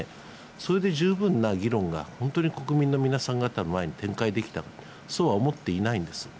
それで十分な議論が本当に国民の皆さん方の前に展開できたのか、そうは思っていないんです。